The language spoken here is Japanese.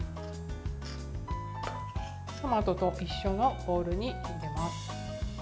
トマトと一緒のボウルに入れます。